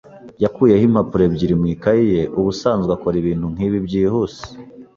yakuyeho impapuro ebyiri mu ikaye ye. Ubusanzwe akora ibintu nkibi byihuse.